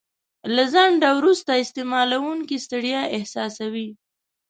له ځنډه وروسته استعمالوونکی ستړیا احساسوي.